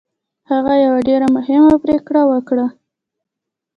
هغه یوه ډېره مهمه پرېکړه وکړه